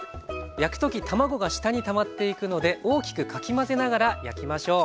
焼く時卵が下にたまっていくので大きくかき混ぜながら焼きましょう。